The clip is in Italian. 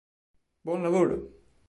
Buon lavoro!